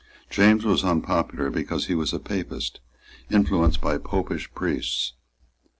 James was unpopular because he was a Papist, influenced by Popish priests.